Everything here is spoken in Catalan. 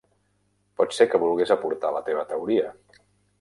Pot ser que vulguis aportar la teva teoria.